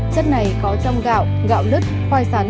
chất này có trong gạo gạo lứt khoai sắn